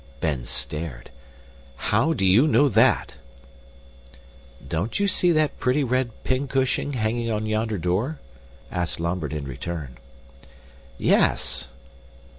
Ben stared. "How do you know that?" "Don't you see that pretty red pincushion hanging on yonder door?" asked Lambert in return. "Yes."